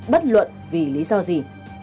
bất luận vì lý do gì